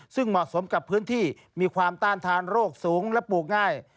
ซึ่งเหมาะสมกับพื้นที่มีความต้านทานโรคสูงและปลูกง่าย